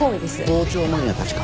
傍聴マニアたちか。